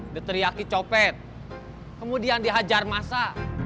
diteriaki copet kemudian dihajar masa